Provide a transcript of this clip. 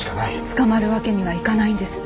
捕まるわけにはいかないんです。